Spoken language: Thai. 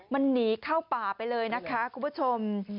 มันหนีเข้าป่าไปเลยนะคะคุณผู้ชม